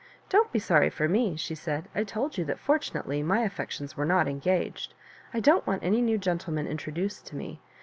"Don't be sorry for me," she said; " I told you that fortunately my affec tions were not eng^iged. I don't want any new gentleman introduo^ to me.